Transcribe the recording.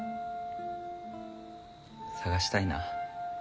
探したいな。